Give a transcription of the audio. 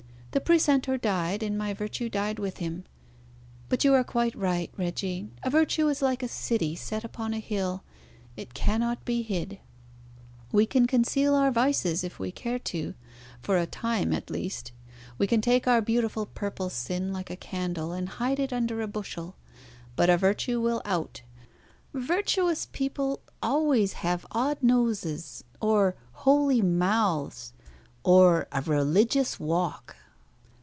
The precentor died, and my virtue died with him. But you are quite right, Reggie; a virtue is like a city set upon a hill, it cannot be hid. We can conceal our vices if we care to, for a time at least. We can take our beautiful purple sin like a candle and hide it under a bushel. But a virtue will out. Virtuous people always have odd noses, or holy mouths, or a religious walk.